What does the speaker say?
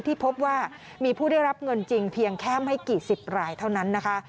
ที่พบว่ามีผู้ได้รับเงินจริงเพียงแค่ไม่กี่สิบรายเท่านั้นนะคะ